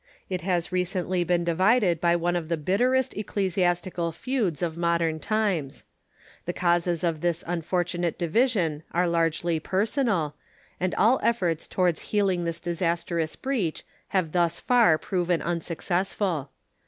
It has recent ly been divided by one of the bitterest ecclesiastical feuds of modern times. The causes of this unfortunate division are largely personal, and all efforts towards healing this disastrous breach have thus far proven unsuccessful.